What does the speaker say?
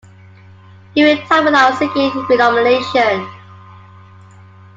He retired without seeking renomination.